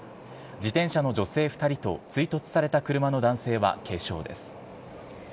自転車の女性２人と追突された車の男性は軽傷です。